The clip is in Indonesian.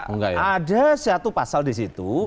enggak ada satu pasal di situ